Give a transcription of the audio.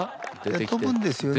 飛ぶんですよね。